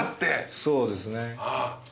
そうですね。